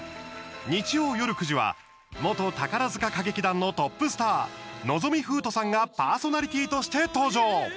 日曜夜９時は元宝塚歌劇団のトップスター望海風斗さんがパーソナリティーとして登場。